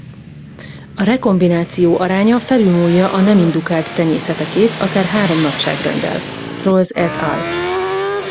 A rekombináció aránya felülmúlja a nem indukált tenyészetekét akár három nagyságrenddel. Frols et al.